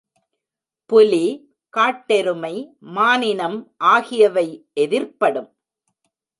புலி, காட்டெருமை, மானினம் ஆகியவை எதிர்ப்படும்.